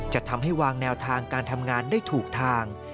จะทำให้วางแนวทางการทำงานได้ถูกทาง